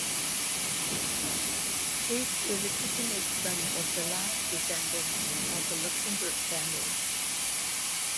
His illegitimate son was the last descendant of the Luxembourg family.